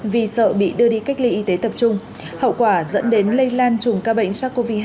vì sợ bị đưa đi cách ly y tế tập trung hậu quả dẫn đến lây lan chùm ca bệnh sars cov hai